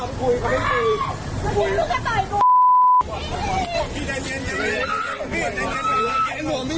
แ้่ลงปลหรือปลงไม้